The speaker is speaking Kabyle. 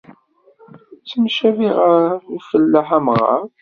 Ttemcabiɣ ɣer ufellaḥ amɣar.